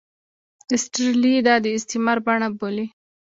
ایسټرلي دا د استثمار بڼه بولي.